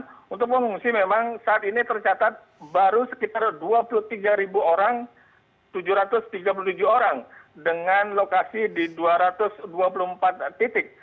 dan untuk mengungsi memang saat ini tercatat baru sekitar dua puluh tiga orang tujuh ratus tiga puluh tujuh orang dengan lokasi di dua ratus dua puluh empat titik